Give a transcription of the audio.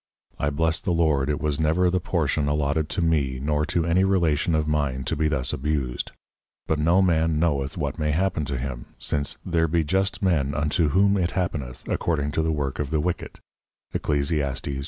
I bless the Lord, it was never the portion allotted to me, nor to any Relation of mine to be thus abused: But no Man knoweth what may happen to him, since there be just Men unto whom it happeneth according to the Work of the Wicked, _Eccles.